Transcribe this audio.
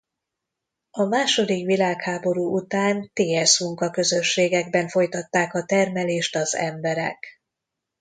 A második világháború után Tsz munkaközösségekben folytatták a termelést az emberek.